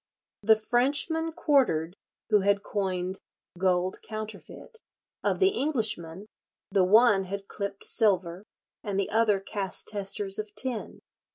The Frenchman quartered who had coined gold counterfeit; of the Englishmen, the one had clipped silver, and the other cast testers of tin."